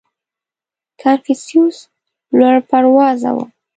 • کنفوسیوس لوړ پروازه و.